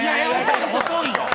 遅いよ！